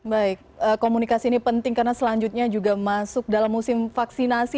baik komunikasi ini penting karena selanjutnya juga masuk dalam musim vaksinasi